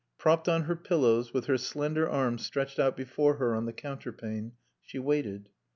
Propped on her pillows, with her slender arms stretched out before her on the counterpane, she waited.